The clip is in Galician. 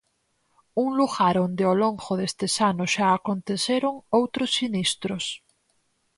Un lugar onde ao longo destes anos xa aconteceron outros sinistros.